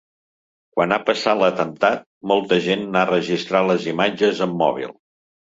Quan ha passat l’atemptat, molta gent n’ha enregistrat les imatges amb mòbil.